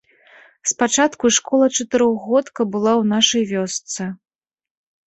Спачатку школа-чатырохгодка была ў нашай вёсцы.